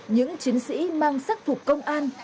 những chiến sĩ mang sắc phục công an